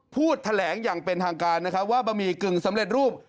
พูดแถลงอย่างเป็นทางการนะครับว่าบะหมี่กึ่งสำเร็จรูป